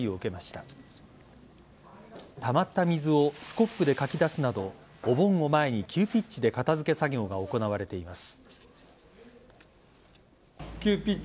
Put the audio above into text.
たまった水をスコップでかき出すなどお盆を前に急ピッチで片付け作業が行われています。